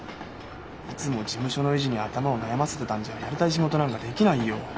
いつも事務所の維持に頭を悩ませてたんじゃやりたい仕事なんかできないよ。